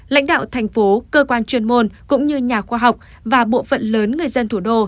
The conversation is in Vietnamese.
lãnh đạo thành phố cơ quan chuyên môn cũng như nhà khoa học và bộ phận lớn người dân thủ đô